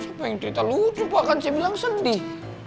siapa yang cerita lucu pak kan saya bilang sedih